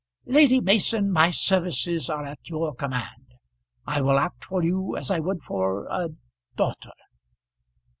Lady Mason, my services are at your command. I will act for you as I would for a daughter."